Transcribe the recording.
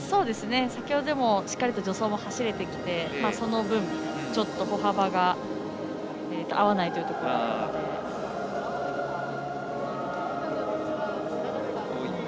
先ほどよりもしっかり助走が走れてきてその分、ちょっと歩幅が合わないというところがあって。